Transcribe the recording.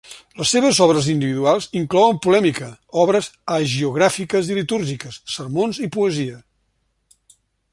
Les seves obres individuals inclouen polèmica, obres hagiogràfiques i litúrgiques, sermons i poesia.